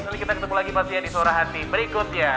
nanti kita ketemu lagi pas dia di suara hati berikutnya